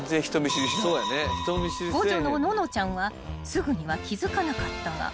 ［五女の埜乃ちゃんはすぐには気付かなかったが］